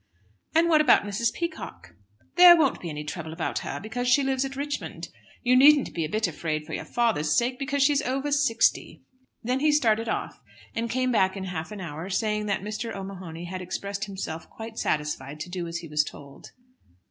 "And what about Mrs. Peacock?" "There won't be any trouble about her, because she lives at Richmond. You needn't be a bit afraid for your father's sake, because she is over sixty." Then he started off, and came back in half an hour, saying that Mr. O'Mahony had expressed himself quite satisfied to do as he was told.